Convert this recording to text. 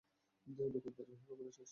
দোকানের হোগা মারা শেষ!